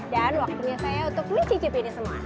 dan waktunya saya untuk mencicipi ini semua